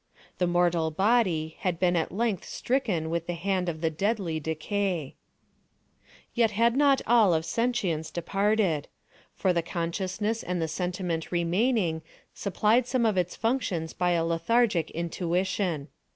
The mortal body had been at length stricken with the hand of the deadly Decay. Yet had not all of sentience departed; for the consciousness and the sentiment remaining supplied some of its functions by a lethargic intuition.